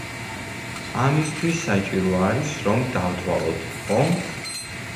ამისთვის საჭირო არის რომ დავთვალოთ, ხომ?